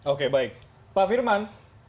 oke baik pak firman